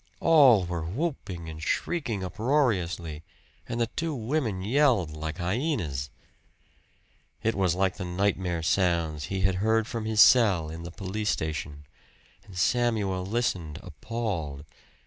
All were whooping and shrieking uproariously, and the two women yelled like hyenas. It was like the nightmare sounds he had heard from his cell in the police station, and Samuel listened appalled.